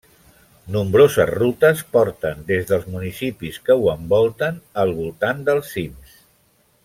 Nombroses rutes porten des dels municipis que ho envolten al voltant dels cims.